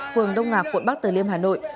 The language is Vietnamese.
phường đông ngạc quận bắc tử liêm hà nội